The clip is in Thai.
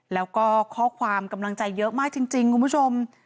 แล้วก็ข้อความกำลังใจเยอะมากจริงคุณผู้ชม